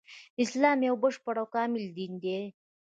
اسلام يو بشپړ او کامل دين دی